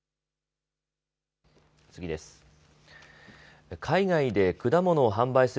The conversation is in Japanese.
次です。